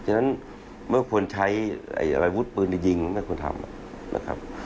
ฉะนั้นเมื่อควรใช้อาวุธปืนยิงไม่ควรทำนะครับ